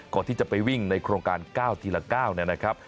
ก่อนที่จะไปวิ่งในโครงการ๙ทีละ๙นะครับ